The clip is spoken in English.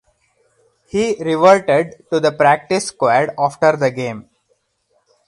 He reverted to the practice squad after the game.